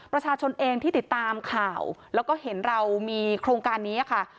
ประชาชนเองที่ติดตามข่าวแล้วก็เห็นเรามีโครงการนี้ค่ะ